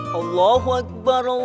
kalau mau mau motor aja